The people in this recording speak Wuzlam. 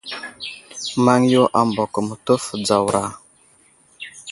Maŋ yo ambako mətəf dzawra.